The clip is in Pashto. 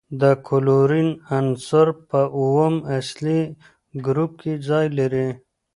د کلورین عنصر په اووم اصلي ګروپ کې ځای لري.